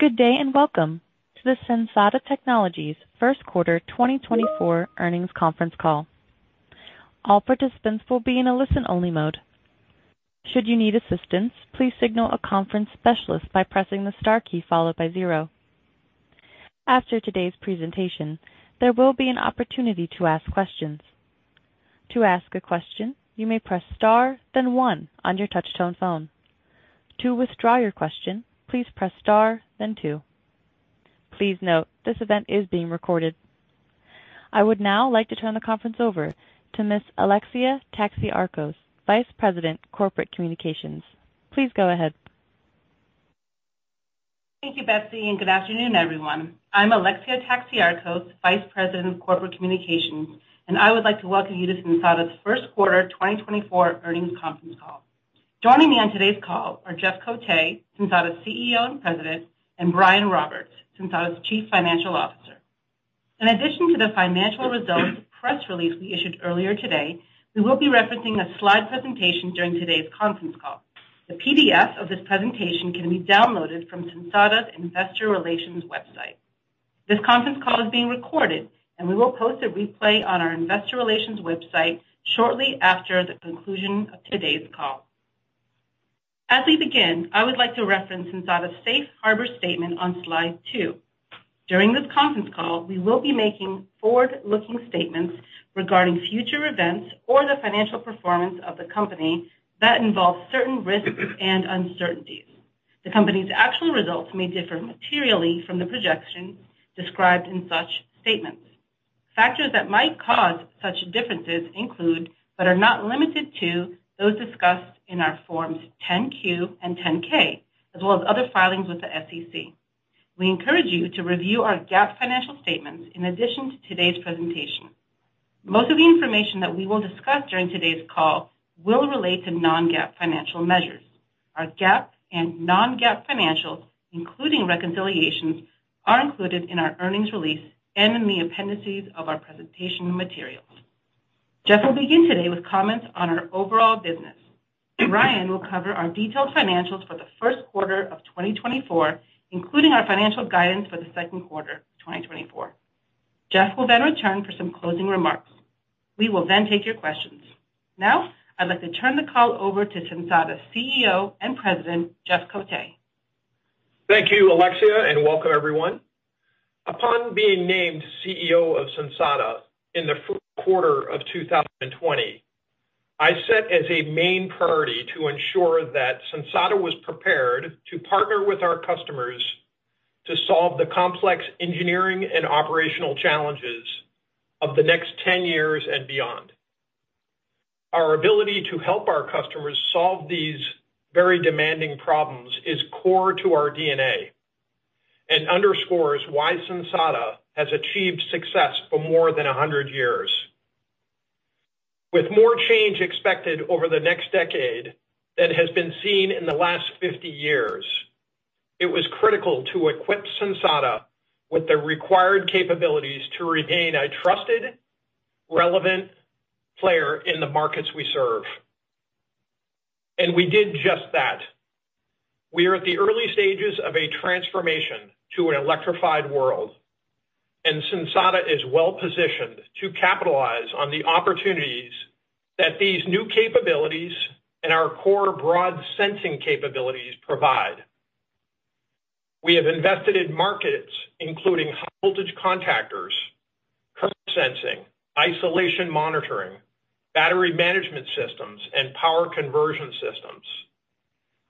Good day and welcome to the Sensata Technologies first quarter 2024 earnings conference call. All participants will be in a listen-only mode. Should you need assistance, please signal a conference specialist by pressing the star key followed by 0. After today's presentation, there will be an opportunity to ask questions. To ask a question, you may press star, then 1 on your touch-tone phone. To withdraw your question, please press star, then 2. Please note, this event is being recorded. I would now like to turn the conference over to Ms. Alexia Taxiarchos, Vice President, Corporate Communications. Please go ahead. Thank you, Betsy, and good afternoon, everyone. I'm Alexia Taxiarchos, Vice President of Corporate Communications, and I would like to welcome you to Sensata's first quarter 2024 earnings conference call. Joining me on today's call are Jeff Cote, Sensata's CEO and President, and Brian Roberts, Sensata's Chief Financial Officer. In addition to the financial results press release we issued earlier today, we will be referencing a slide presentation during today's conference call. The PDF of this presentation can be downloaded from Sensata's Investor Relations website. This conference call is being recorded, and we will post a replay on our Investor Relations website shortly after the conclusion of today's call. As we begin, I would like to reference Sensata's Safe Harbor Statement on slide 2. During this conference call, we will be making forward-looking statements regarding future events or the financial performance of the company that involve certain risks and uncertainties. The company's actual results may differ materially from the projections described in such statements. Factors that might cause such differences include but are not limited to those discussed in our Forms 10-Q and 10-K, as well as other filings with the SEC. We encourage you to review our GAAP financial statements in addition to today's presentation. Most of the information that we will discuss during today's call will relate to non-GAAP financial measures. Our GAAP and non-GAAP financials, including reconciliations, are included in our earnings release and in the appendices of our presentation materials. Jeff will begin today with comments on our overall business. Brian will cover our detailed financials for the first quarter of 2024, including our financial guidance for the second quarter of 2024. Jeff will then return for some closing remarks. We will then take your questions. Now, I'd like to turn the call over to Sensata's CEO and President, Jeff Cote. Thank you, Alexia, and welcome, everyone. Upon being named CEO of Sensata in the first quarter of 2020, I set as a main priority to ensure that Sensata was prepared to partner with our customers to solve the complex engineering and operational challenges of the next 10 years and beyond. Our ability to help our customers solve these very demanding problems is core to our DNA and underscores why Sensata has achieved success for more than 100 years. With more change expected over the next decade than has been seen in the last 50 years, it was critical to equip Sensata with the required capabilities to remain a trusted, relevant player in the markets we serve. We did just that. We are at the early stages of a transformation to an electrified world, and Sensata is well-positioned to capitalize on the opportunities that these new capabilities and our core broad sensing capabilities provide. We have invested in markets including high-voltage contactors, current sensing, isolation monitoring, battery management systems, and power conversion systems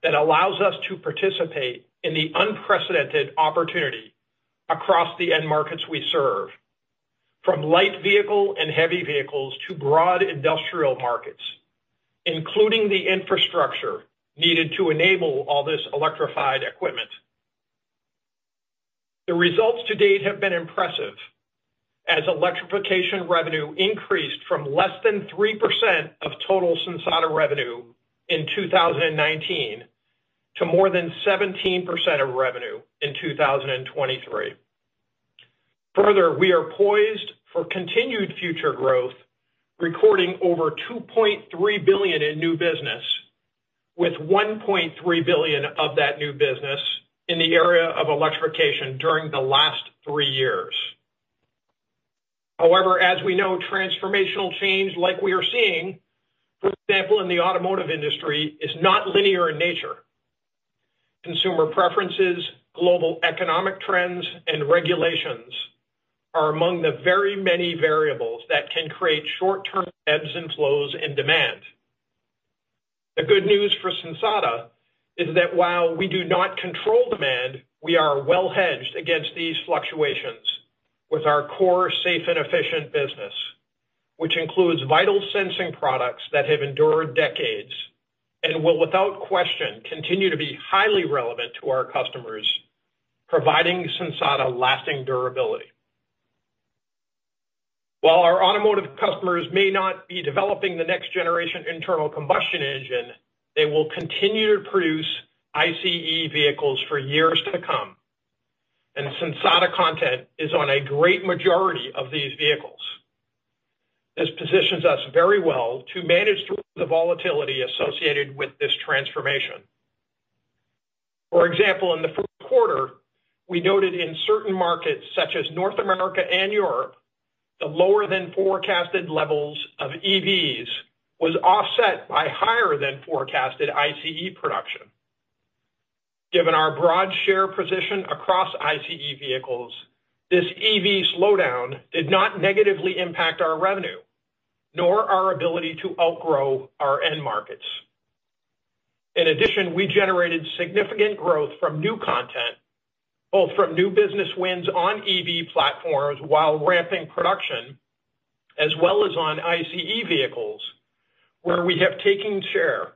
that allows us to participate in the unprecedented opportunity across the end markets we serve, from light vehicle and heavy vehicles to broad industrial markets, including the infrastructure needed to enable all this electrified equipment. The results to date have been impressive, as electrification revenue increased from less than 3% of total Sensata revenue in 2019 to more than 17% of revenue in 2023. Further, we are poised for continued future growth, recording over $2.3 billion in new business, with $1.3 billion of that new business in the area of electrification during the last three years. However, as we know, transformational change like we are seeing, for example, in the automotive industry, is not linear in nature. Consumer preferences, global economic trends, and regulations are among the very many variables that can create short-term ebbs and flows in demand. The good news for Sensata is that while we do not control demand, we are well hedged against these fluctuations with our core safe and efficient business, which includes vital sensing products that have endured decades and will, without question, continue to be highly relevant to our customers, providing Sensata lasting durability. While our automotive customers may not be developing the next-generation internal combustion engine, they will continue to produce ICE vehicles for years to come, and Sensata content is on a great majority of these vehicles. This positions us very well to manage through the volatility associated with this transformation. For example, in the first quarter, we noted in certain markets such as North America and Europe, the lower-than-forecasted levels of EVs were offset by higher-than-forecasted ICE production. Given our broad share position across ICE vehicles, this EV slowdown did not negatively impact our revenue nor our ability to outgrow our end markets. In addition, we generated significant growth from new content, both from new business wins on EV platforms while ramping production, as well as on ICE vehicles, where we have taken share,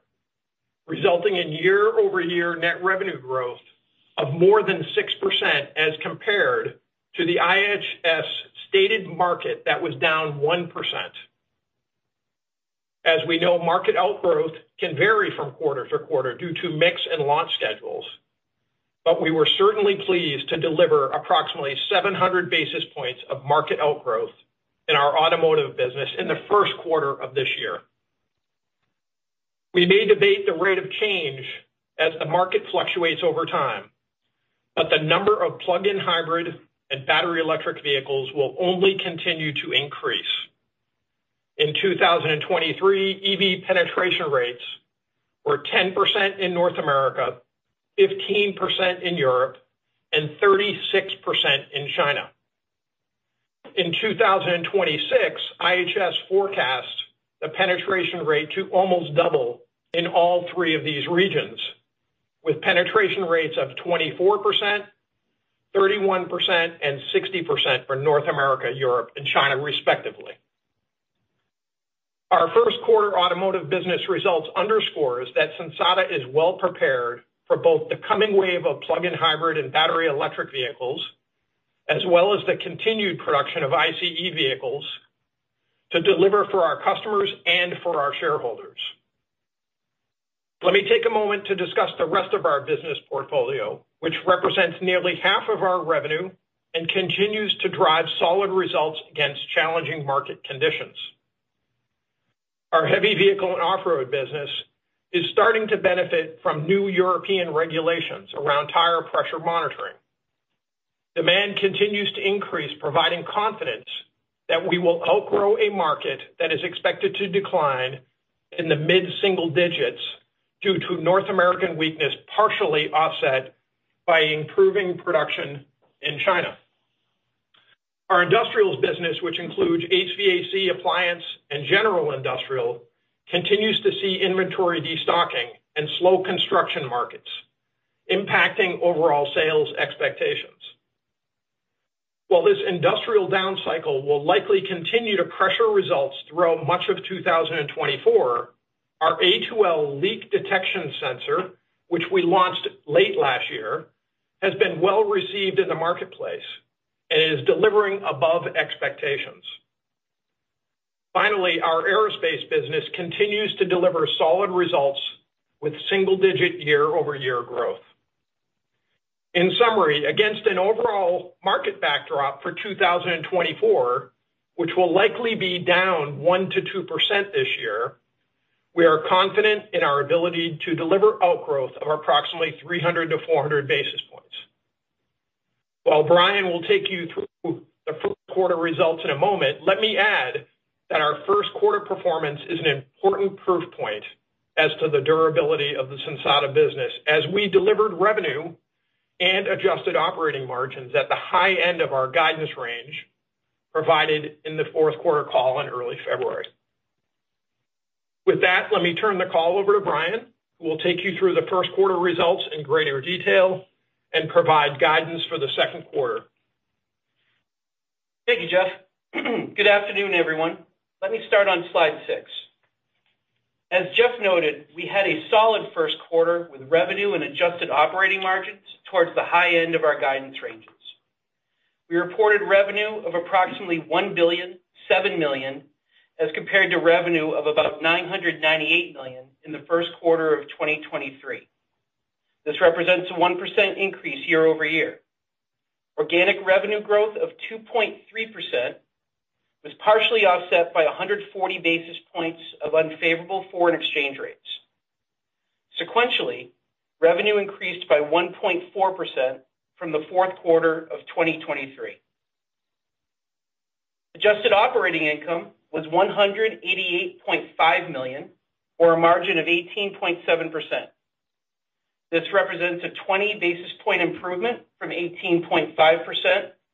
resulting in year-over-year net revenue growth of more than 6% as compared to the IHS-stated market that was down 1%. As we know, market outgrowth can vary from quarter to quarter due to mix and launch schedules, but we were certainly pleased to deliver approximately 700 basis points of market outgrowth in our automotive business in the first quarter of this year. We may debate the rate of change as the market fluctuates over time, but the number of plug-in hybrid and battery electric vehicles will only continue to increase. In 2023, EV penetration rates were 10% in North America, 15% in Europe, and 36% in China. In 2026, IHS forecast the penetration rate to almost double in all three of these regions, with penetration rates of 24%, 31%, and 60% for North America, Europe, and China, respectively. Our first quarter automotive business results underscore that Sensata is well-prepared for both the coming wave of plug-in hybrid and battery electric vehicles, as well as the continued production of ICE vehicles, to deliver for our customers and for our shareholders. Let me take a moment to discuss the rest of our business portfolio, which represents nearly half of our revenue and continues to drive solid results against challenging market conditions. Our heavy vehicle and off-road business is starting to benefit from new European regulations around tire pressure monitoring. Demand continues to increase, providing confidence that we will outgrow a market that is expected to decline in the mid-single digits due to North American weakness partially offset by improving production in China. Our industrials business, which includes HVAC appliance and general industrial, continues to see inventory destocking and slow construction markets, impacting overall sales expectations. While this industrial downcycle will likely continue to pressure results throughout much of 2024, our A2L leak detection sensor, which we launched late last year, has been well-received in the marketplace and is delivering above expectations. Finally, our aerospace business continues to deliver solid results with single-digit year-over-year growth. In summary, against an overall market backdrop for 2024, which will likely be down 1%-2% this year, we are confident in our ability to deliver outgrowth of approximately 300-400 basis points. While Brian will take you through the first quarter results in a moment, let me add that our first quarter performance is an important proof point as to the durability of the Sensata business as we delivered revenue and adjusted operating margins at the high end of our guidance range provided in the fourth quarter call in early February. With that, let me turn the call over to Brian, who will take you through the first quarter results in greater detail and provide guidance for the second quarter. Thank you, Jeff. Good afternoon, everyone. Let me start on slide 6. As Jeff noted, we had a solid first quarter with revenue and adjusted operating margins towards the high end of our guidance ranges. We reported revenue of approximately $1.7 billion as compared to revenue of about $998 million in the first quarter of 2023. This represents a 1% increase year-over-year. Organic revenue growth of 2.3% was partially offset by 140 basis points of unfavorable foreign exchange rates. Sequentially, revenue increased by 1.4% from the fourth quarter of 2023. Adjusted operating income was $188.5 million, or a margin of 18.7%. This represents a 20-basis-point improvement from 18.5%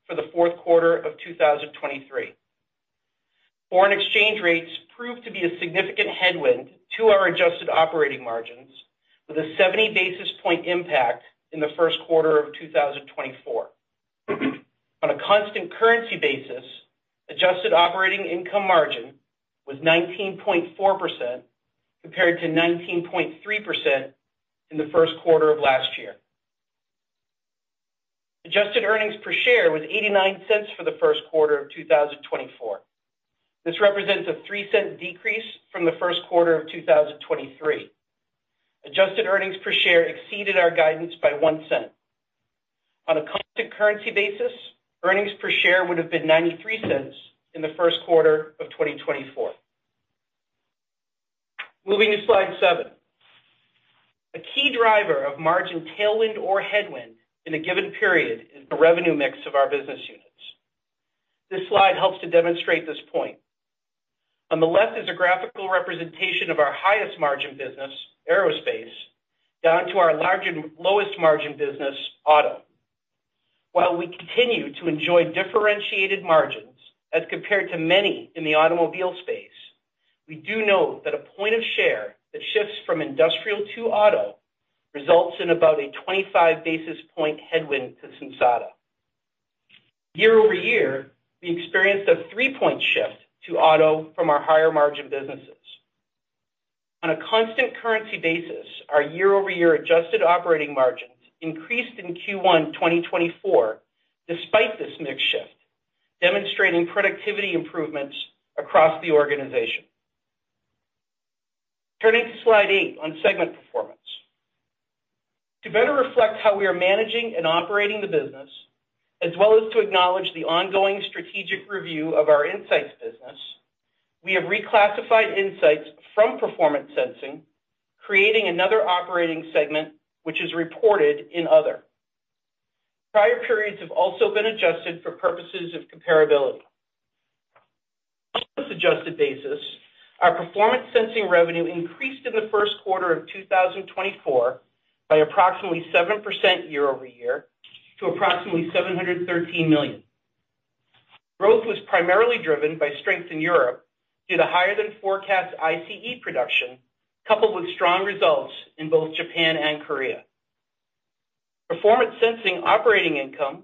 for the fourth quarter of 2023. Foreign exchange rates proved to be a significant headwind to our adjusted operating margins, with a 70-basis-point impact in the first quarter of 2024. On a constant currency basis, adjusted operating income margin was 19.4% compared to 19.3% in the first quarter of last year. Adjusted earnings per share was $0.89 for the first quarter of 2024. This represents a $0.03 decrease from the first quarter of 2023. Adjusted earnings per share exceeded our guidance by $0.01. On a constant currency basis, earnings per share would have been $0.93 in the first quarter of 2024. Moving to slide 7. A key driver of margin tailwind or headwind in a given period is the revenue mix of our business units. This slide helps to demonstrate this point. On the left is a graphical representation of our highest margin business, aerospace, down to our largest and lowest margin business, auto. While we continue to enjoy differentiated margins as compared to many in the automobile space, we do note that a point of share that shifts from industrial to auto results in about a 25 basis point headwind to Sensata. Year-over-year, we experienced a three-point shift to auto from our higher margin businesses. On a constant currency basis, our year-over-year adjusted operating margins increased in Q1 2024 despite this mix shift, demonstrating productivity improvements across the organization. Turning to slide 8 on segment performance. To better reflect how we are managing and operating the business, as well as to acknowledge the ongoing strategic review of our insights business, we have reclassified insights from performance sensing, creating another operating segment which is reported in other. Prior periods have also been adjusted for purposes of comparability. On this adjusted basis, our performance sensing revenue increased in the first quarter of 2024 by approximately 7% year-over-year to approximately $713 million. Growth was primarily driven by strength in Europe due to higher-than-forecast ICE production coupled with strong results in both Japan and Korea. Performance sensing operating income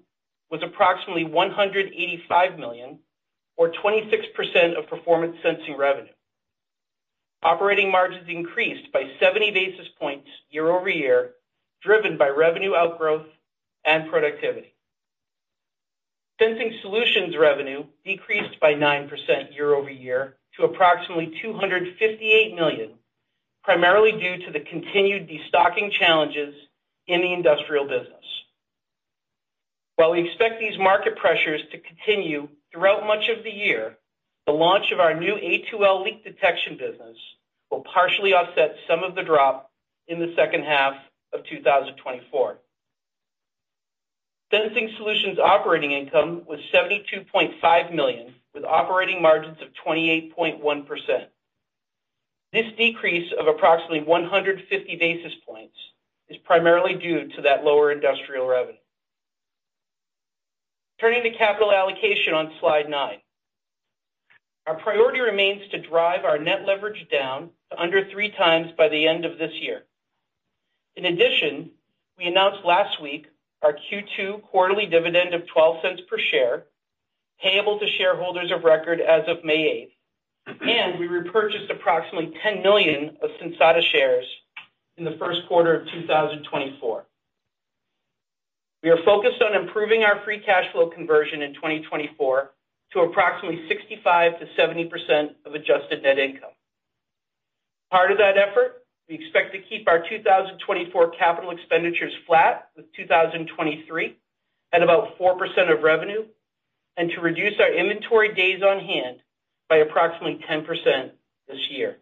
was approximately $185 million, or 26% of performance sensing revenue. Operating margins increased by 70 basis points year-over-year, driven by revenue outgrowth and productivity. Sensing solutions revenue decreased by 9% year-over-year to approximately $258 million, primarily due to the continued destocking challenges in the industrial business. While we expect these market pressures to continue throughout much of the year, the launch of our new A2L leak detection business will partially offset some of the drop in the second half of 2024. Sensing solutions operating income was $72.5 million, with operating margins of 28.1%. This decrease of approximately 150 basis points is primarily due to that lower industrial revenue. Turning to capital allocation on slide nine. Our priority remains to drive our net leverage down to under 3x by the end of this year. In addition, we announced last week our Q2 quarterly dividend of $0.12 per share, payable to shareholders of record as of May 8th, and we repurchased approximately 10 million of Sensata shares in the first quarter of 2024. We are focused on improving our free cash flow conversion in 2024 to approximately 65%-70% of adjusted net income. Part of that effort, we expect to keep our 2024 capital expenditures flat with 2023 at about 4% of revenue and to reduce our inventory days on hand by approximately 10% this year.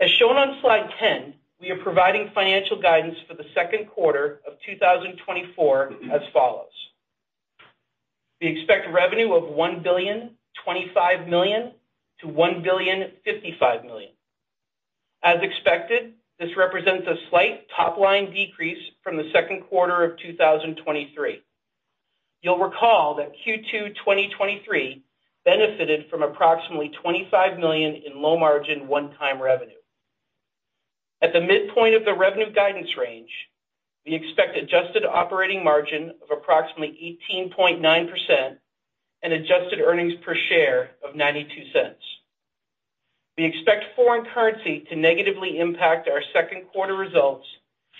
As shown on slide 10, we are providing financial guidance for the second quarter of 2024 as follows. We expect revenue of $1.025 million-$1.055 million. As expected, this represents a slight top-line decrease from the second quarter of 2023. You'll recall that Q2 2023 benefited from approximately $25 million in low-margin one-time revenue. At the midpoint of the revenue guidance range, we expect adjusted operating margin of approximately 18.9% and adjusted earnings per share of $0.92. We expect foreign currency to negatively impact our second quarter results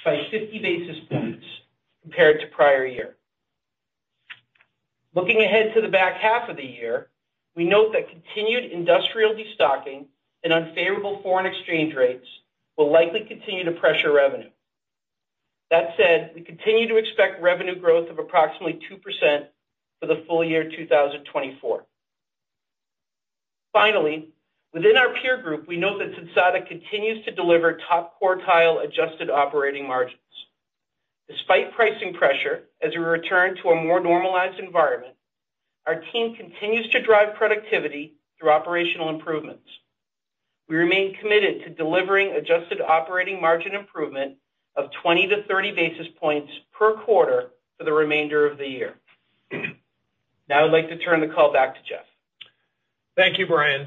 by 50 basis points compared to prior year. Looking ahead to the back half of the year, we note that continued industrial destocking and unfavorable foreign exchange rates will likely continue to pressure revenue. That said, we continue to expect revenue growth of approximately 2% for the full year 2024. Finally, within our peer group, we note that Sensata continues to deliver top-quartile adjusted operating margins. Despite pricing pressure as we return to a more normalized environment, our team continues to drive productivity through operational improvements. We remain committed to delivering adjusted operating margin improvement of 20-30 basis points per quarter for the remainder of the year. Now I'd like to turn the call back to Jeff. Thank you, Brian.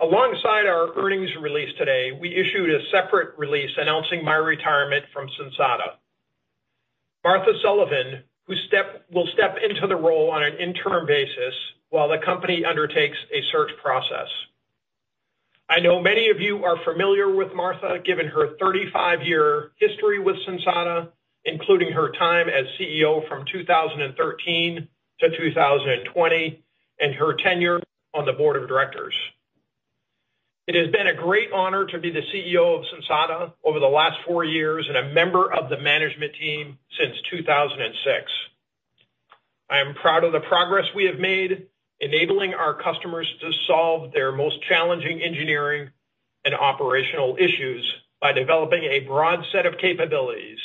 Alongside our earnings release today, we issued a separate release announcing my retirement from Sensata. Martha Sullivan will step into the role on an interim basis while the company undertakes a search process. I know many of you are familiar with Martha given her 35-year history with Sensata, including her time as CEO from 2013 to 2020 and her tenure on the board of directors. It has been a great honor to be the CEO of Sensata over the last four years and a member of the management team since 2006. I am proud of the progress we have made enabling our customers to solve their most challenging engineering and operational issues by developing a broad set of capabilities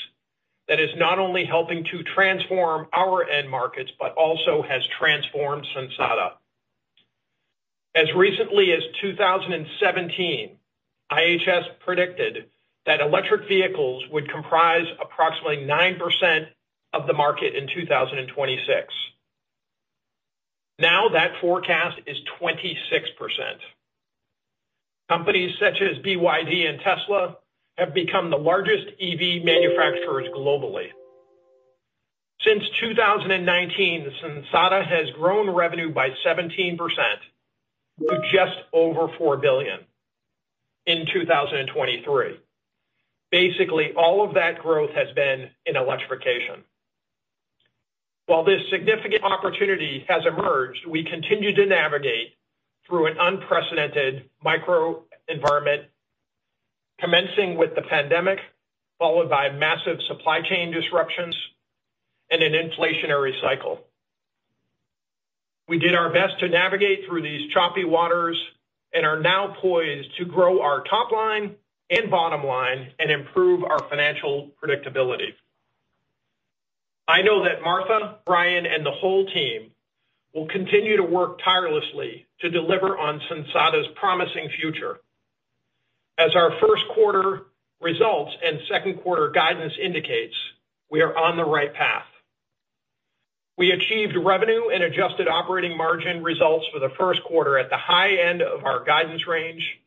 that is not only helping to transform our end markets but also has transformed Sensata. As recently as 2017, IHS predicted that electric vehicles would comprise approximately 9% of the market in 2026. Now that forecast is 26%. Companies such as BYD and Tesla have become the largest EV manufacturers globally. Since 2019, Sensata has grown revenue by 17% to just over $4 billion in 2023. Basically, all of that growth has been in electrification. While this significant opportunity has emerged, we continue to navigate through an unprecedented microenvironment, commencing with the pandemic followed by massive supply chain disruptions and an inflationary cycle. We did our best to navigate through these choppy waters and are now poised to grow our top line and bottom line and improve our financial predictability. I know that Martha, Brian, and the whole team will continue to work tirelessly to deliver on Sensata's promising future. As our first quarter results and second quarter guidance indicates, we are on the right path. We achieved revenue and adjusted operating margin results for the first quarter at the high end of our guidance range,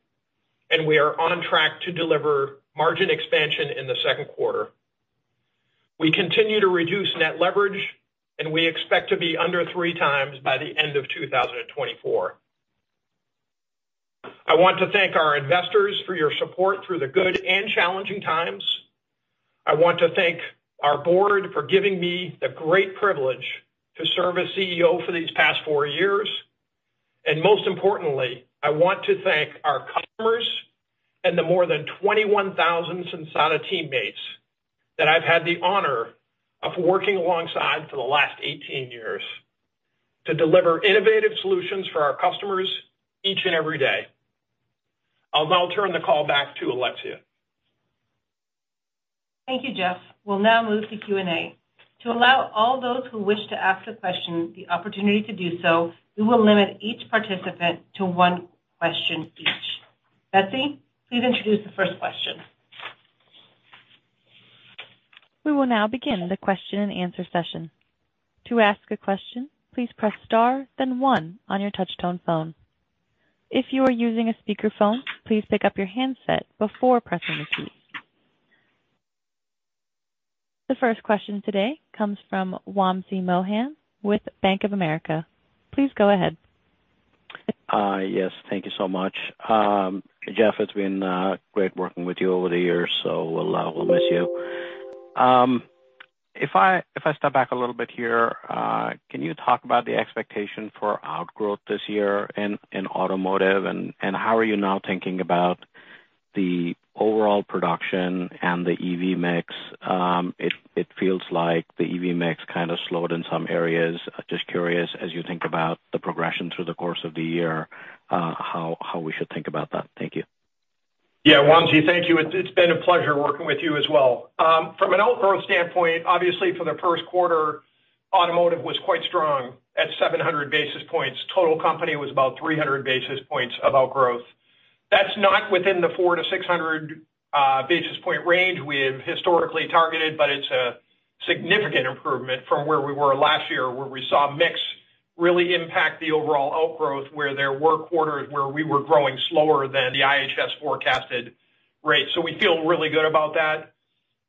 and we are on track to deliver margin expansion in the second quarter. We continue to reduce net leverage, and we expect to be under three times by the end of 2024. I want to thank our investors for your support through the good and challenging times. I want to thank our board for giving me the great privilege to serve as CEO for these past four years. Most importantly, I want to thank our customers and the more than 21,000 Sensata teammates that I've had the honor of working alongside for the last 18 years to deliver innovative solutions for our customers each and every day. I'll now turn the call back to Alexia. Thank you, Jeff. We'll now move to Q&A. To allow all those who wish to ask a question the opportunity to do so, we will limit each participant to one question each. Betsy, please introduce the first question. We will now begin the question and answer session. To ask a question, please press star, then one on your touch-tone phone. If you are using a speakerphone, please pick up your handset before pressing the keys. The first question today comes from Wamsi Mohan with Bank of America. Please go ahead. Yes. Thank you so much. Jeff, it's been great working with you over the years, so we'll miss you. If I step back a little bit here, can you talk about the expectation for outgrowth this year in automotive, and how are you now thinking about the overall production and the EV mix? It feels like the EV mix kind of slowed in some areas. Just curious, as you think about the progression through the course of the year, how we should think about that. Thank you. Yeah, Wamsi, thank you. It's been a pleasure working with you as well. From an outgrowth standpoint, obviously, for the first quarter, automotive was quite strong at 700 basis points. Total company was about 300 basis points of outgrowth. That's not within the 400-600 basis point range we have historically targeted, but it's a significant improvement from where we were last year, where we saw mix really impact the overall outgrowth, where there were quarters where we were growing slower than the IHS forecasted rate. So we feel really good about that.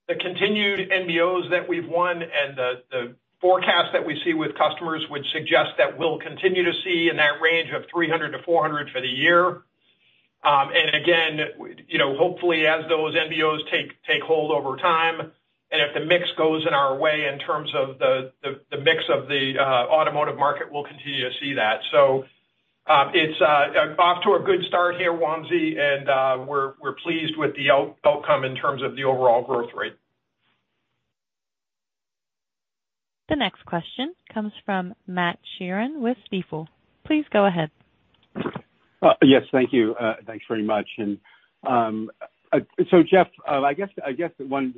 The continued NBOs that we've won and the forecast that we see with customers would suggest that we'll continue to see in that range of 300-400 for the year. Again, hopefully, as those NBOs take hold over time and if the mix goes in our way in terms of the mix of the automotive market, we'll continue to see that. It's off to a good start here, Wamsi, and we're pleased with the outcome in terms of the overall growth rate. The next question comes from Matt Sheerin with Stifel. Please go ahead. Yes. Thank you. Thanks very much. And so, Jeff, I guess one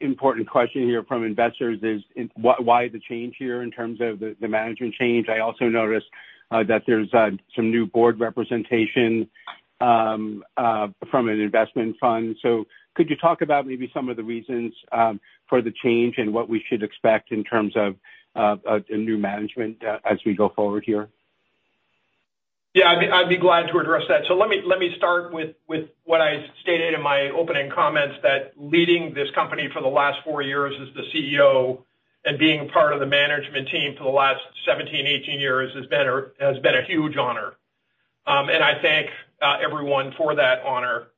important question here from investors is why the change here in terms of the management change. I also noticed that there's some new board representation from an investment fund. So could you talk about maybe some of the reasons for the change and what we should expect in terms of a new management as we go forward here? Yeah. I'd be glad to address that. So let me start with what I stated in my opening comments, that leading this company for the last four years as the CEO and being part of the management team for the last 17, 18 years has been a huge honor. And I thank everyone for that honor.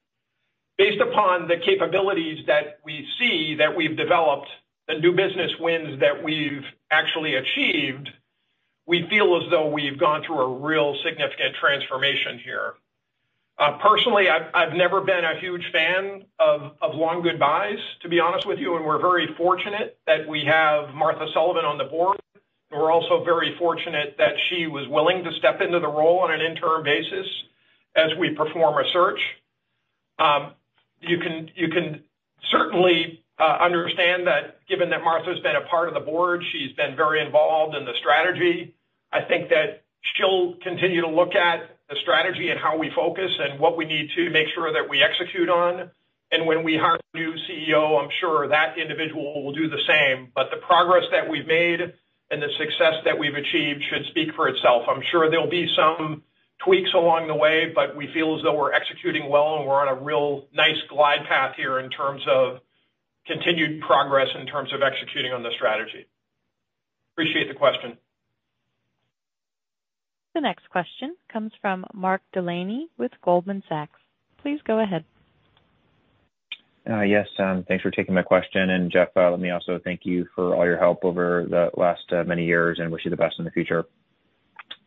Based upon the capabilities that we see that we've developed, the new business wins that we've actually achieved, we feel as though we've gone through a real significant transformation here. Personally, I've never been a huge fan of long goodbyes, to be honest with you, and we're very fortunate that we have Martha Sullivan on the board. We're also very fortunate that she was willing to step into the role on an interim basis as we perform a search. You can certainly understand that given that Martha's been a part of the board, she's been very involved in the strategy. I think that she'll continue to look at the strategy and how we focus and what we need to make sure that we execute on. When we hire a new CEO, I'm sure that individual will do the same. The progress that we've made and the success that we've achieved should speak for itself. I'm sure there'll be some tweaks along the way, but we feel as though we're executing well and we're on a real nice glide path here in terms of continued progress in terms of executing on the strategy. Appreciate the question. The next question comes from Mark Delaney with Goldman Sachs. Please go ahead. Yes. Thanks for taking my question. And Jeff, let me also thank you for all your help over the last many years and wish you the best in the future.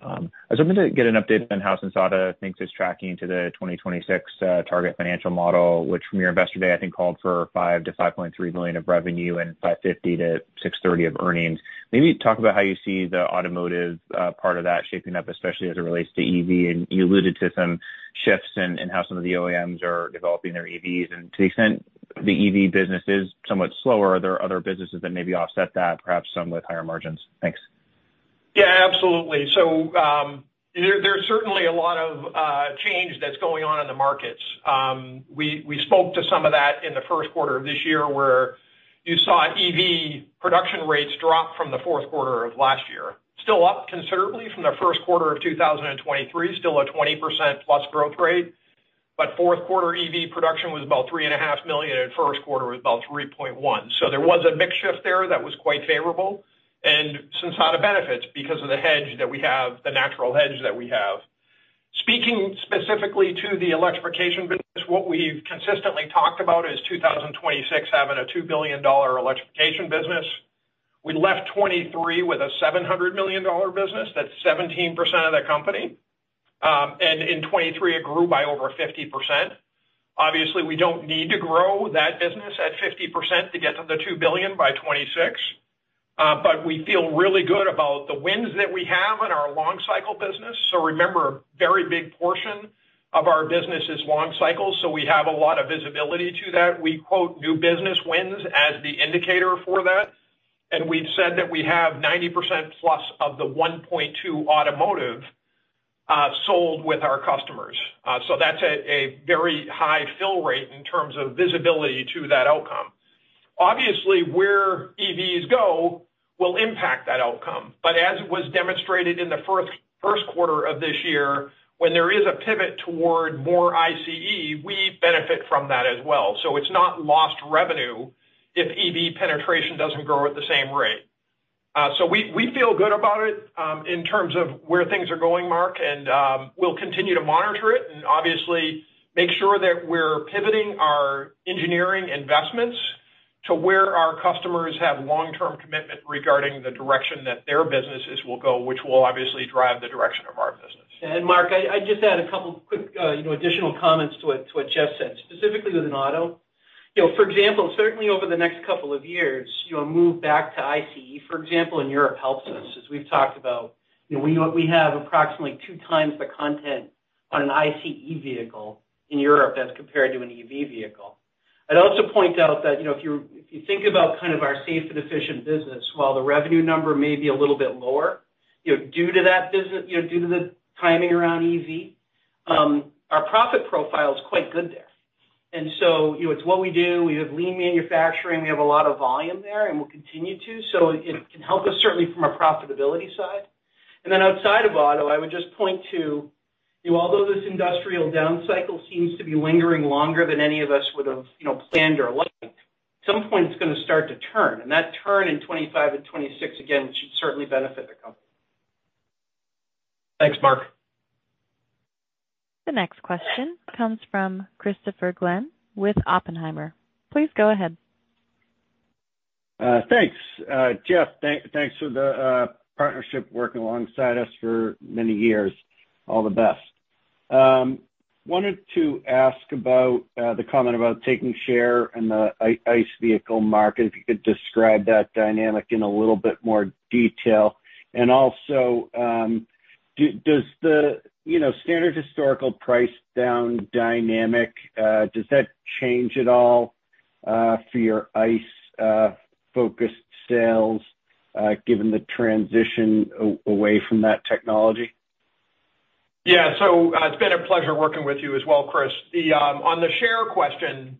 I was hoping to get an update on how Sensata thinks it's tracking to the 2026 target financial model, which from your investor day, I think, called for $5 billion-$5.3 billion of revenue and $550 million-$630 million of earnings. Maybe talk about how you see the automotive part of that shaping up, especially as it relates to EV. And you alluded to some shifts in how some of the OEMs are developing their EVs. And to the extent the EV business is somewhat slower, are there other businesses that maybe offset that, perhaps some with higher margins? Thanks. Yeah, absolutely. So there's certainly a lot of change that's going on in the markets. We spoke to some of that in the first quarter of this year where you saw EV production rates drop from the fourth quarter of last year. Still up considerably from the first quarter of 2023, still a 20%+ growth rate. But fourth quarter EV production was about 3.5 million, and first quarter was about 3.1 million. So there was a mix shift there that was quite favorable. And Sensata benefits because of the hedge that we have, the natural hedge that we have. Speaking specifically to the electrification business, what we've consistently talked about is 2026 having a $2 billion electrification business. We left 2023 with a $700 million business. That's 17% of the company. And in 2023, it grew by over 50%. Obviously, we don't need to grow that business at 50% to get to $2 billion by 2026. But we feel really good about the wins that we have in our long-cycle business. So remember, a very big portion of our business is long cycles, so we have a lot of visibility to that. We quote new business wins as the indicator for that. And we've said that we have 90%-plus of the $1.2 billion automotive sold with our customers. So that's a very high fill rate in terms of visibility to that outcome. Obviously, where EVs go will impact that outcome. But as it was demonstrated in the first quarter of this year, when there is a pivot toward more ICE, we benefit from that as well. So it's not lost revenue if EV penetration doesn't grow at the same rate. So we feel good about it in terms of where things are going, Mark. We'll continue to monitor it and obviously make sure that we're pivoting our engineering investments to where our customers have long-term commitment regarding the direction that their businesses will go, which will obviously drive the direction of our business. Mark, I'd just add a couple of quick additional comments to what Jeff said, specifically within auto. For example, certainly over the next couple of years, a move back to ICE, for example, in Europe helps us, as we've talked about. We have approximately 2x the content on an ICE vehicle in Europe as compared to an EV vehicle. I'd also point out that if you think about kind of our safe and efficient business, while the revenue number may be a little bit lower due to that business, due to the timing around EV, our profit profile is quite good there. And so it's what we do. We have lean manufacturing. We have a lot of volume there, and we'll continue to. So it can help us certainly from a profitability side. And then outside of auto, I would just point to although this industrial downcycle seems to be lingering longer than any of us would have planned or liked, at some point, it's going to start to turn. And that turn in 2025 and 2026, again, should certainly benefit the company. Thanks, Mark. The next question comes from Christopher Glynn with Oppenheimer. Please go ahead. Thanks, Jeff. Thanks for the partnership working alongside us for many years. All the best. Wanted to ask about the comment about taking share in the ICE vehicle market, if you could describe that dynamic in a little bit more detail. And also, does the standard historical price-down dynamic, does that change at all for your ICE-focused sales given the transition away from that technology? Yeah. So it's been a pleasure working with you as well, Chris. On the share question,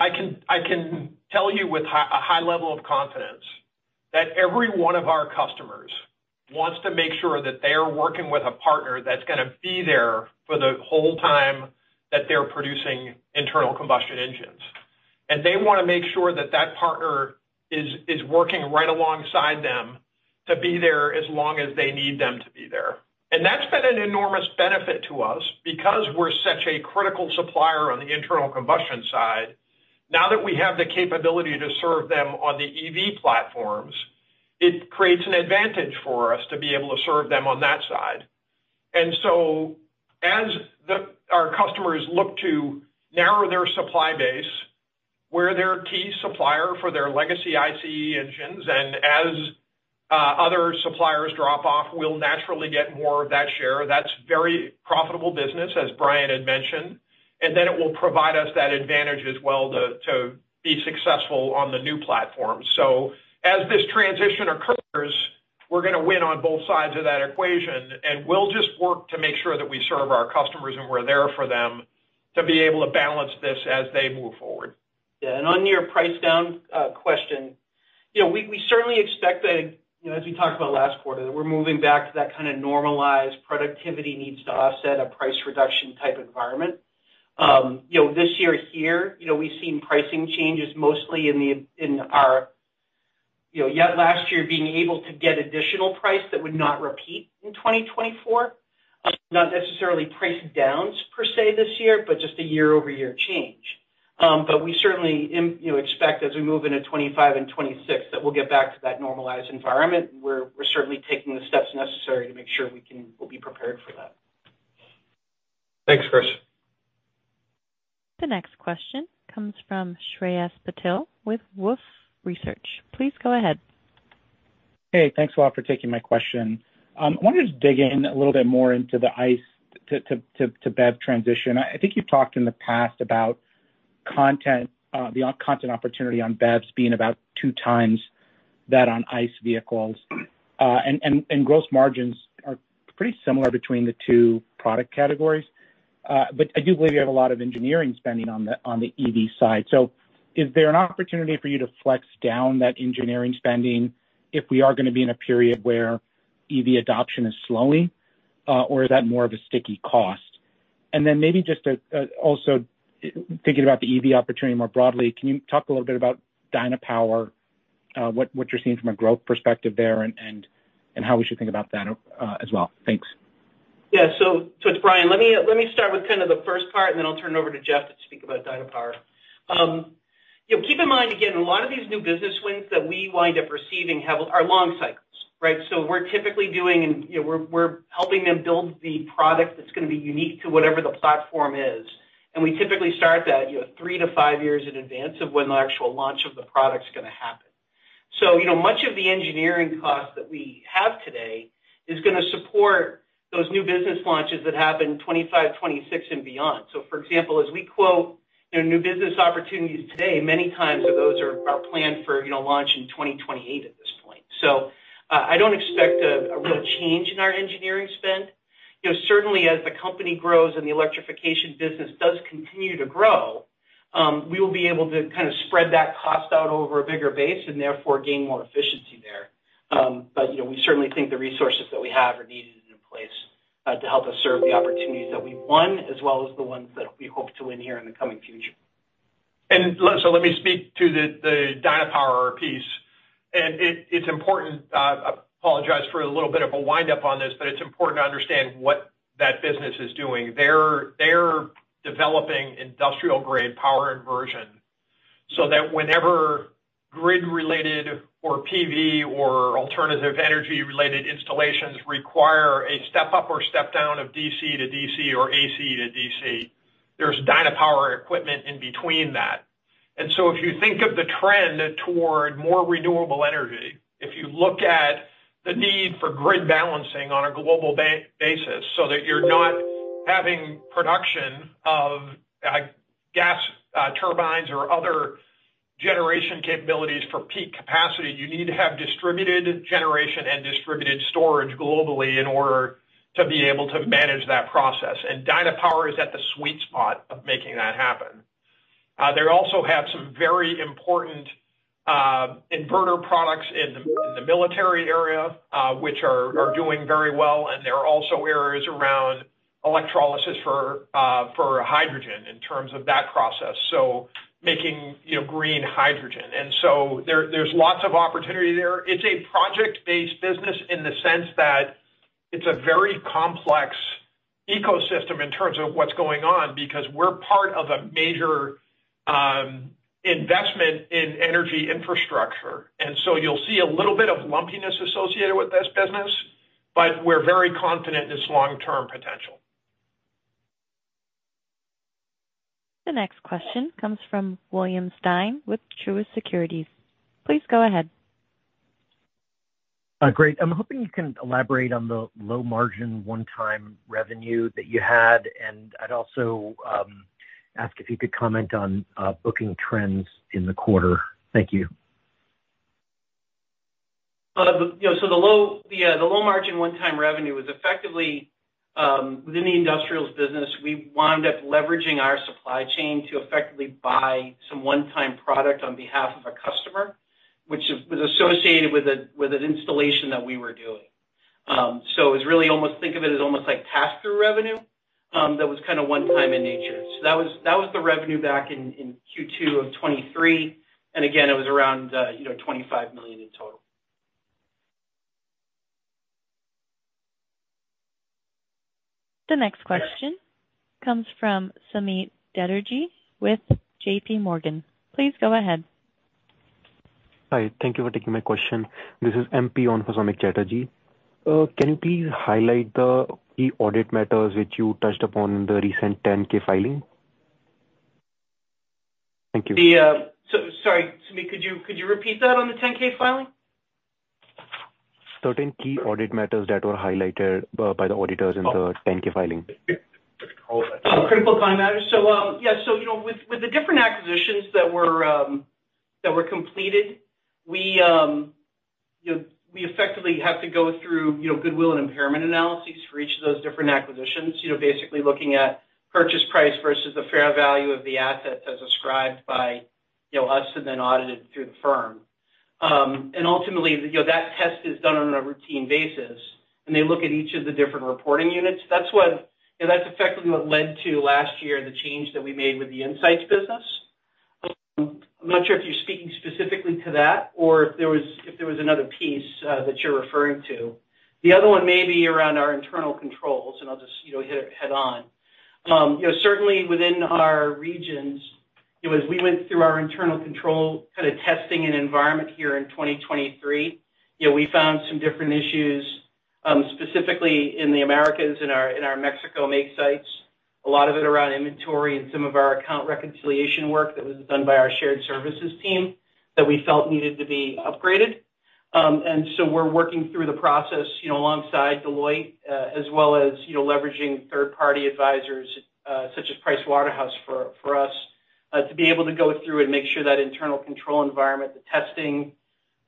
I can tell you with a high level of confidence that every one of our customers wants to make sure that they are working with a partner that's going to be there for the whole time that they're producing internal combustion engines. And they want to make sure that that partner is working right alongside them to be there as long as they need them to be there. And that's been an enormous benefit to us because we're such a critical supplier on the internal combustion side. Now that we have the capability to serve them on the EV platforms, it creates an advantage for us to be able to serve them on that side. And so as our customers look to narrow their supply base, we're their key supplier for their legacy ICE engines. And as other suppliers drop off, we'll naturally get more of that share. That's very profitable business, as Brian had mentioned. And then it will provide us that advantage as well to be successful on the new platforms. So as this transition occurs, we're going to win on both sides of that equation. And we'll just work to make sure that we serve our customers and we're there for them to be able to balance this as they move forward. Yeah. And on your price-down question, we certainly expect that, as we talked about last quarter, that we're moving back to that kind of normalized productivity needs to offset a price reduction type environment. This year here, we've seen pricing changes mostly in our yet last year being able to get additional price that would not repeat in 2024. Not necessarily price downs per se this year, but just a year-over-year change. But we certainly expect, as we move into 2025 and 2026, that we'll get back to that normalized environment. And we're certainly taking the steps necessary to make sure we'll be prepared for that. Thanks, Chris. The next question comes from Shreyas Patil with Wolfe Research. Please go ahead. Hey. Thanks, Jeff, for taking my question. I wanted to dig in a little bit more into the ICE to BEV transition. I think you've talked in the past about the content opportunity on BEVs being about two times that on ICE vehicles. And gross margins are pretty similar between the two product categories. But I do believe you have a lot of engineering spending on the EV side. So is there an opportunity for you to flex down that engineering spending if we are going to be in a period where EV adoption is slowing, or is that more of a sticky cost? And then maybe just also thinking about the EV opportunity more broadly, can you talk a little bit about Dynapower, what you're seeing from a growth perspective there, and how we should think about that as well? Thanks. Yeah. So it's Brian. Let me start with kind of the first part, and then I'll turn it over to Jeff to speak about DynaPower. Keep in mind, again, a lot of these new business wins that we wind up receiving are long cycles, right? So we're typically doing and we're helping them build the product that's going to be unique to whatever the platform is. And we typically start that 3-5 years in advance of when the actual launch of the product's going to happen. So much of the engineering cost that we have today is going to support those new business launches that happen 2025, 2026, and beyond. So for example, as we quote new business opportunities today, many times those are planned for launch in 2028 at this point. So I don't expect a real change in our engineering spend. Certainly, as the company grows and the electrification business does continue to grow, we will be able to kind of spread that cost out over a bigger base and therefore gain more efficiency there. But we certainly think the resources that we have are needed and in place to help us serve the opportunities that we've won as well as the ones that we hope to win here in the coming future. And so let me speak to the DynaPower piece. It's important. I apologize for a little bit of a wind-up on this, but it's important to understand what that business is doing. They're developing industrial-grade power inversion so that whenever grid-related or PV or alternative energy-related installations require a step-up or step-down of DC to DC or AC to DC, there's DynaPower equipment in between that. If you think of the trend toward more renewable energy, if you look at the need for grid balancing on a global basis so that you're not having production of gas turbines or other generation capabilities for peak capacity, you need to have distributed generation and distributed storage globally in order to be able to manage that process. DynaPower is at the sweet spot of making that happen. They also have some very important inverter products in the military area, which are doing very well. There are also areas around electrolysis for hydrogen in terms of that process, so making green hydrogen. There's lots of opportunity there. It's a project-based business in the sense that it's a very complex ecosystem in terms of what's going on because we're part of a major investment in energy infrastructure. You'll see a little bit of lumpiness associated with this business, but we're very confident in its long-term potential. The next question comes from William Stein with Truist Securities. Please go ahead. Great. I'm hoping you can elaborate on the low-margin one-time revenue that you had. I'd also ask if you could comment on booking trends in the quarter. Thank you. So the low-margin one-time revenue was effectively within the industrials business. We wound up leveraging our supply chain to effectively buy some one-time product on behalf of a customer, which was associated with an installation that we were doing. So it was really almost think of it as almost like pass-through revenue that was kind of one-time in nature. So that was the revenue back in Q2 of 2023. And again, it was around $25 million in total. The next question comes from Samik Chatterjee with JP Morgan. Please go ahead. Hi. Thank you for taking my question. This is Samik Chatterjee. Can you please highlight the key audit matters which you touched upon in the recent 10-K filing? Thank you. Sorry, Samik, could you repeat that on the 10-K filing? 13 key audit matters that were highlighted by the auditors in the 10-K filing. Critical audit matters. So yeah, so with the different acquisitions that were completed, we effectively have to go through goodwill and impairment analyses for each of those different acquisitions, basically looking at purchase price versus the fair value of the assets as ascribed by us and then audited through the firm. And ultimately, that test is done on a routine basis, and they look at each of the different reporting units. That's effectively what led to last year the change that we made with the insights business. I'm not sure if you're speaking specifically to that or if there was another piece that you're referring to. The other one may be around our internal controls, and I'll just hit it head-on. Certainly, within our regions, as we went through our internal control kind of testing and environment here in 2023, we found some different issues, specifically in the Americas and our Mexico manufacturing sites, a lot of it around inventory and some of our account reconciliation work that was done by our shared services team that we felt needed to be upgraded. We're working through the process alongside Deloitte as well as leveraging third-party advisors such as Pricewaterhouse for us to be able to go through and make sure that internal control environment, the testing,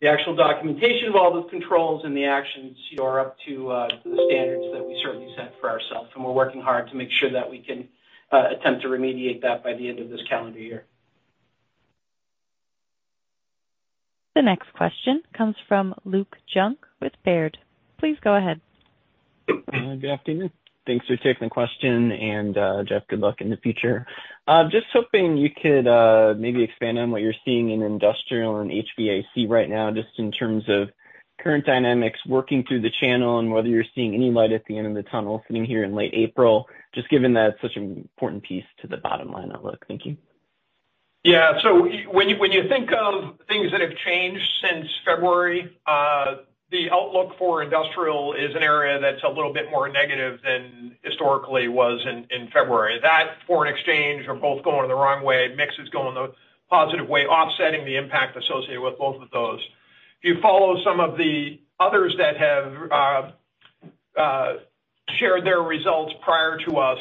the actual documentation of all those controls, and the actions are up to the standards that we certainly set for ourselves. We're working hard to make sure that we can attempt to remediate that by the end of this calendar year. The next question comes from Luke Junk with Baird. Please go ahead. Good afternoon. Thanks for taking the question. And Jeff, good luck in the future. Just hoping you could maybe expand on what you're seeing in industrial and HVAC right now just in terms of current dynamics, working through the channel, and whether you're seeing any light at the end of the tunnel sitting here in late April, just given that it's such an important piece to the bottom line outlook. Thank you. Yeah. So when you think of things that have changed since February, the outlook for industrial is an area that's a little bit more negative than historically was in February. That foreign exchange are both going the wrong way. Mix is going the positive way, offsetting the impact associated with both of those. If you follow some of the others that have shared their results prior to us,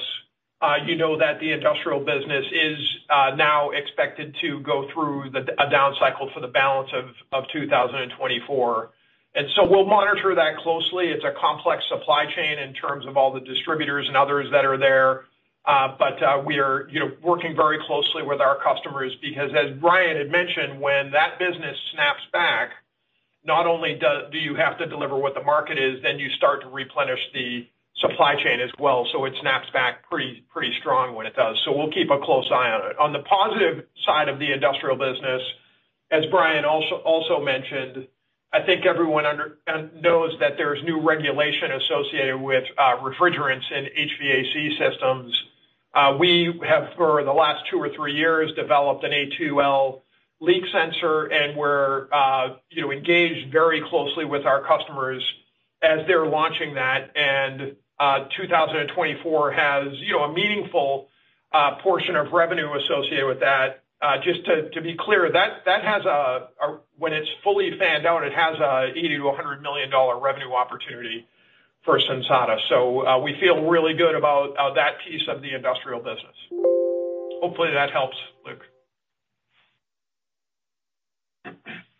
you know that the industrial business is now expected to go through a downcycle for the balance of 2024. And so we'll monitor that closely. It's a complex supply chain in terms of all the distributors and others that are there. But we are working very closely with our customers because, as Brian had mentioned, when that business snaps back, not only do you have to deliver what the market is, then you start to replenish the supply chain as well. So it snaps back pretty strong when it does. So we'll keep a close eye on it. On the positive side of the industrial business, as Brian also mentioned, I think everyone knows that there's new regulation associated with refrigerants in HVAC systems. We have, for the last two or three years, developed an A2L leak sensor, and we're engaged very closely with our customers as they're launching that. And 2024 has a meaningful portion of revenue associated with that. Just to be clear, when it's fully fanned out, it has an $80 million-$100 million revenue opportunity for Sensata. So we feel really good about that piece of the industrial business. Hopefully, that helps, Luke.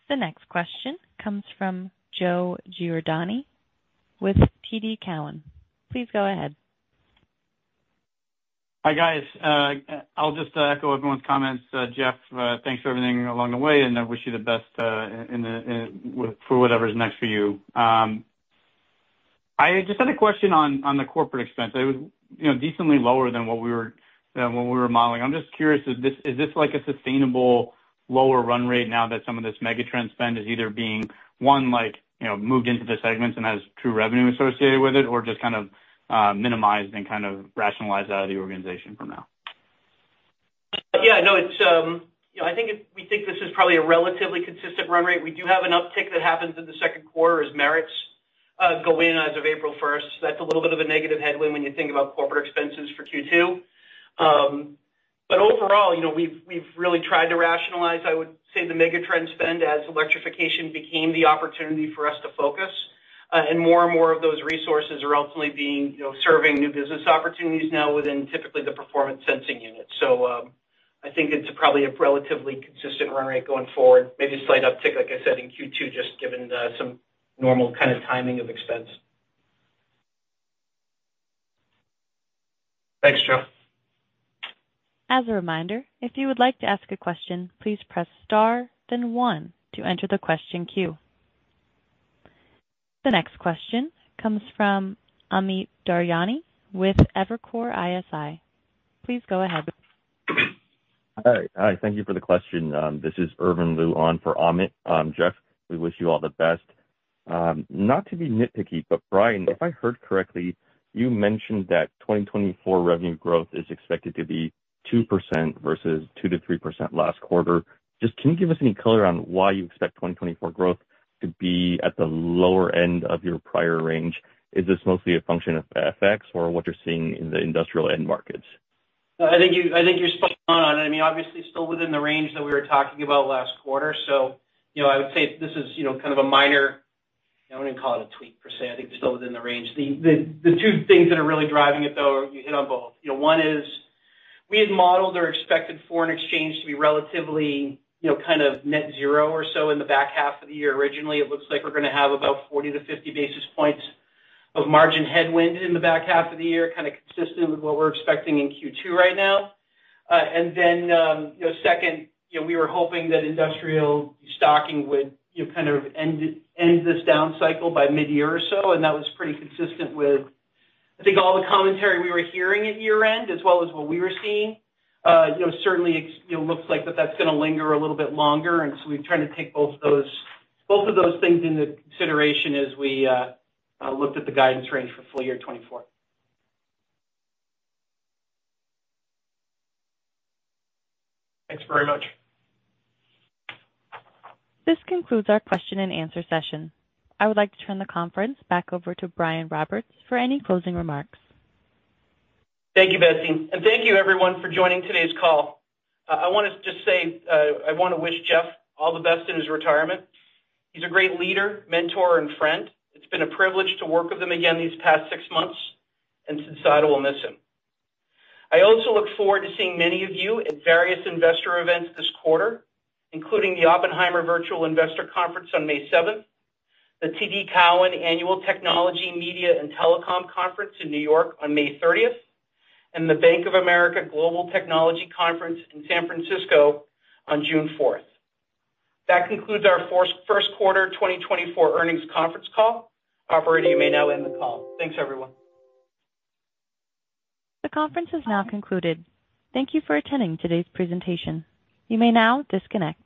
The next question comes from Joe Giordano with TD Cowen. Please go ahead. Hi, guys. I'll just echo everyone's comments. Jeff, thanks for everything along the way, and I wish you the best for whatever's next for you. I just had a question on the corporate expense. It was decently lower than what we were modeling. I'm just curious, is this a sustainable lower run rate now that some of this megatrend spend is either being, one, moved into the segments and has true revenue associated with it, or just kind of minimized and kind of rationalized out of the organization from now? Yeah. No, I think we think this is probably a relatively consistent run rate. We do have an uptick that happens in the second quarter as merits go in as of April 1st. That's a little bit of a negative headwind when you think about corporate expenses for Q2. But overall, we've really tried to rationalize, I would say, the megatrend spend as electrification became the opportunity for us to focus. And more and more of those resources are ultimately serving new business opportunities now within typically the Performance Sensing units. So I think it's probably a relatively consistent run rate going forward, maybe a slight uptick, like I said, in Q2 just given some normal kind of timing of expense. Thanks, Jeff. As a reminder, if you would like to ask a question, please press star, then 1 to enter the question queue. The next question comes from Amit Daryanani with Evercore ISI. Please go ahead. Hi. Hi. Thank you for the question. This is Irvin Liu for Amit. Jeff, we wish you all the best. Not to be nitpicky, but Brian, if I heard correctly, you mentioned that 2024 revenue growth is expected to be 2% versus 2%-3% last quarter. Just can you give us any color on why you expect 2024 growth to be at the lower end of your prior range? Is this mostly a function of FX or what you're seeing in the industrial end markets? I think you're spot on on it. I mean, obviously, still within the range that we were talking about last quarter. So I would say this is kind of a minor. I wouldn't even call it a tweak per se. I think it's still within the range. The two things that are really driving it, though, you hit on both. One is we had modeled our expected foreign exchange to be relatively kind of net zero or so in the back half of the year. Originally, it looks like we're going to have about 40-50 basis points of margin headwind in the back half of the year, kind of consistent with what we're expecting in Q2 right now. And then second, we were hoping that industrial stocking would kind of end this downcycle by mid-year or so. That was pretty consistent with, I think, all the commentary we were hearing at year-end as well as what we were seeing. Certainly, it looks like that that's going to linger a little bit longer. So we've tried to take both of those things into consideration as we looked at the guidance range for full year 2024. Thanks very much. This concludes our question-and-answer session. I would like to turn the conference back over to Brian Roberts for any closing remarks. Thank you, Betsy. Thank you, everyone, for joining today's call. I want to just say I want to wish Jeff all the best in his retirement. He's a great leader, mentor, and friend. It's been a privilege to work with him again these past six months, and Sensata will miss him. I also look forward to seeing many of you at various investor events this quarter, including the Oppenheimer Virtual Investor Conference on May 7th, the TD Cowen Annual Technology, Media, and Telecom Conference in New York on May 30th, and the Bank of America Global Technology Conference in San Francisco on June 4th. That concludes our first quarter 2024 earnings conference call. Operator, you may now end the call. Thanks, everyone. The conference has now concluded. Thank you for attending today's presentation. You may now disconnect.